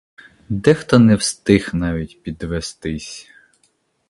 Дехто не встиг навіть підвестись.